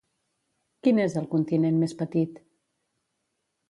Quin és el continent més petit?